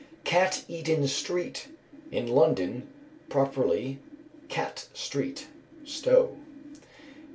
Cat eaten Street. In London; properly "Catte Street" (STOW).